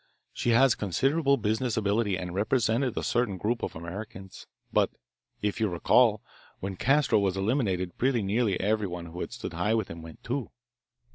She has considerable business ability and represented a certain group of Americans. But, if you recall, when Castro was eliminated pretty nearly everyone who had stood high with him went, too.